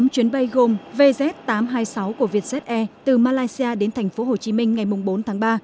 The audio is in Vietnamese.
tám chuyến bay gồm vz tám trăm hai mươi sáu của vietjet air từ malaysia đến thành phố hồ chí minh ngày bốn tháng ba